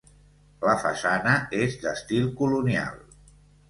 La façana és d'estil colonial.